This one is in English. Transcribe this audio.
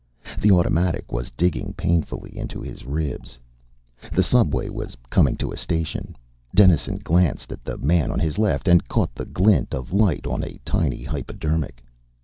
The automatic was digging painfully into his ribs. The subway was coming to a station. Dennison glanced at the man on his left and caught the glint of light on a tiny hypodermic.